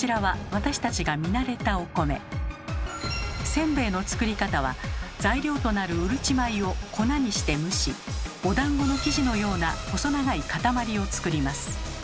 せんべいの作り方は材料となるうるち米を粉にして蒸しおだんごの生地のような細長い塊を作ります。